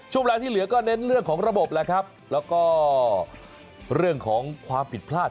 เวลาที่เหลือก็เน้นเรื่องของระบบแล้วครับแล้วก็เรื่องของความผิดพลาด